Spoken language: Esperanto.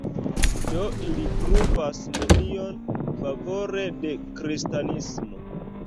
Do ili pruvas nenion favore de kristanismo.